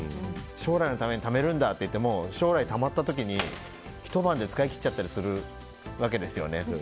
将来のためにためるんだって言っても将来たまった時にひと晩で使い切っちゃったりするわけですよね。